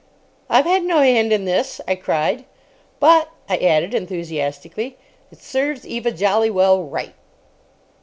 "I've had no hand in this," I cried; "but," I added enthusiastically, "it serves Eva jolly well right."